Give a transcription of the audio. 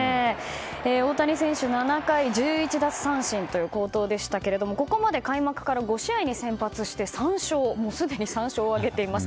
大谷選手、７回１１奪三振という好投でしたがここまで開幕から５試合に先発してすでに３勝を挙げています。